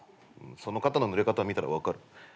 その肩のぬれ方見たら分かる。